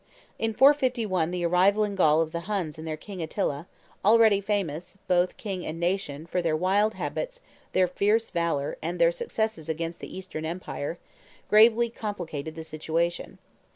In 451 the arrival in Gaul of the Huns and their king Attila already famous, both king and nation, for their wild habits, their fierce valor, and their successes against the Eastern empire gravely complicated the situation.